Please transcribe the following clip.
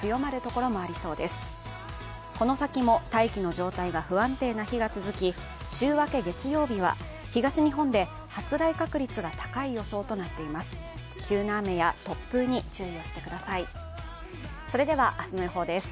この先も大気の状態が不安定な日が続き、週明け月曜日は東日本で発雷確率が高い予想となっています。